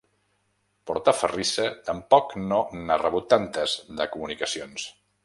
Portaferrissa tampoc no n'ha rebut tantes, de comunicacions.